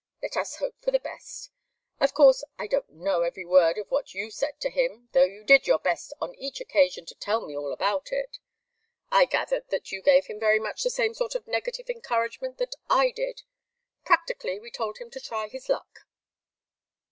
Let us hope for the best. Of course I don't know every word of what you said to him, though you did your best on each occasion to tell me all about it. I gathered that you gave him very much the same sort of negative encouragement that I did. Practically, we told him to try his luck."